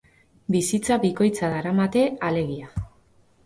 Bizitza bikoitza daramate alegia.